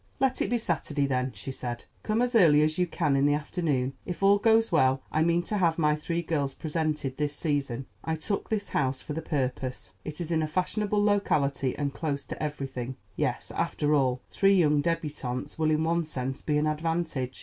"Let it be Saturday, then," she said. "Come as early as you can in the afternoon. If all goes well, I mean to have my three girls presented this season. I took this house for the purpose: it is in a fashionable locality and close to everything. Yes, after all, three young débutantes will in one sense be an advantage.